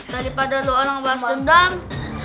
daripada lu orang bahas dendang